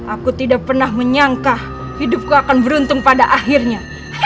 aku tidak pernah menyangka hidupku akan beruntung pada akhirnya